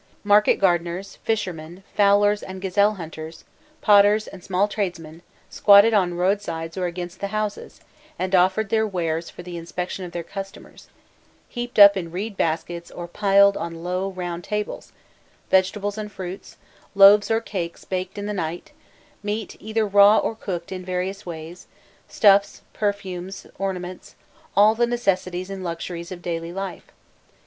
Market gardeners, fishermen, fowlers and gazelle hunters, potters, and small tradesmen, squatted on the roadsides or against the houses, and offered their wares for the inspection of their customers, heaped up in reed baskets, or piled on low round tables: vegetables and fruits, loaves or cakes baked during the night, meat either raw or cooked in various ways, stuffs, perfumes, ornaments, all the necessities and luxuries of daily life.